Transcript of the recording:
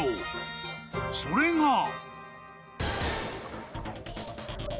［それが］